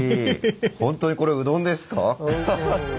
本当にこれうどんですか？